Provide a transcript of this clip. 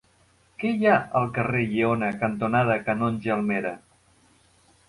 Què hi ha al carrer Lleona cantonada Canonge Almera?